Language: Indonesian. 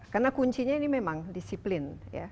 karena kuncinya ini memang disiplin ya